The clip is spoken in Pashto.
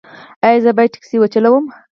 ایا زه باید ټکسي وچلوم؟